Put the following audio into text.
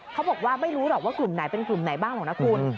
เขาบอกว่าไม่รู้หรอกว่ากลุ่มไหนเป็นกลุ่มไหนบ้างหรอกนะคุณ